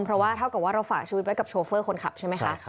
เพราะว่าเท่ากับว่าเราฝากชีวิตไว้กับโชเฟอร์คนขับใช่ไหมคะ